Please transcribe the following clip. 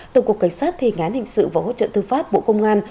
tổng cục cảnh sát thề ngán hình sự và hỗ trợ thương pháp bộ công an